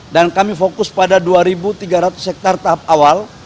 dan kami fokus pada dua tiga ratus hektare tahap awal